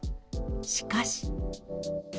しかし。